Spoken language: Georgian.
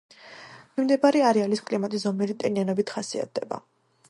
მიმდებარე არეალის კლიმატი ზომიერი ტენიანობით ხასიათდება.